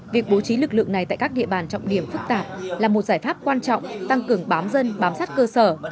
việc bố trí lực lượng này tại các địa bàn trọng điểm phức tạp là một giải pháp quan trọng tăng cường bám dân bám sát cơ sở